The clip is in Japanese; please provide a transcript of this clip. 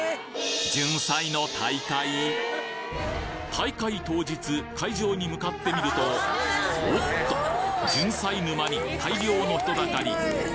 大会当日会場に向かってみるとおっとじゅんさい沼に大量の人だかり